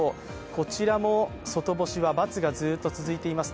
こちらも外干しは×がずっと続いています。